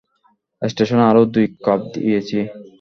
স্টেশনে আরও দুই কাপ দিয়েছি।